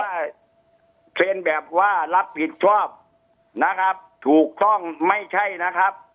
ถ้าเซ็นแบบว่ารับผิดชอบนะครับถูกต้องไม่ใช่นะครับ